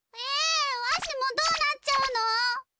えわしもどうなっちゃうの！？